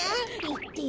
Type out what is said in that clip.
いってよ。